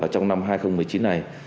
trong năm hai nghìn một mươi chín này